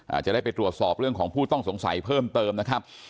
อาจจะได้ไปตรวจสอบเรื่องของผู้ต้องสงสัยเพิ่มเติมนะครับ